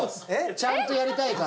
ちゃんとやりたいから。